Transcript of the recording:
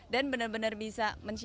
dan benar benar bisa mencari